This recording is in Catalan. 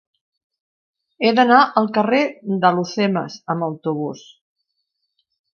He d'anar al carrer d'Alhucemas amb autobús.